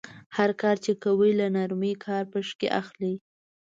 هر کار چې کوئ له نرمۍ کار پکې اخلئ.